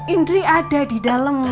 indri ada di dalam